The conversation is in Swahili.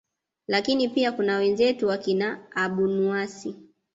lakini pia kuna wenzetu wakina abunuasi